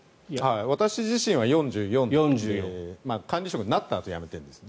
私自身は４４管理職になったあとに辞めているんです。